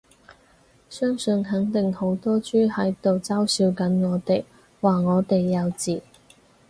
相信肯定好多豬喺度嘲笑緊我哋，話我哋幼稚